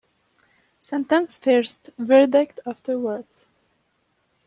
Sentence first—verdict afterwards.